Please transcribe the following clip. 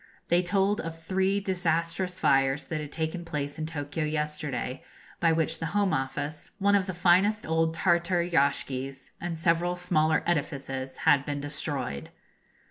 They told of three disastrous fires that had taken place in Tokio yesterday, by which the Home Office one of the finest old Tartar yashgis and several smaller edifices had been destroyed.